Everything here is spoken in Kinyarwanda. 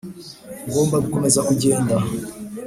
ngomba gukomeza kugenda